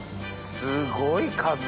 すごい数。